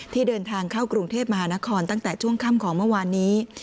เดินทางเข้ากรุงเทพมหานครตั้งแต่ช่วงค่ำของเมื่อวานนี้